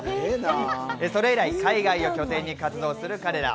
それ以来、海外を拠点に活動する彼ら。